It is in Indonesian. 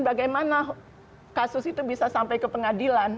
bagaimana kasus itu bisa sampai ke pengadilan